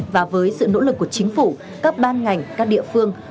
và với sự nỗ lực của chính phủ các ban ngành các địa phương